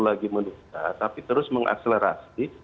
lagi menukar tapi terus mengakselerasi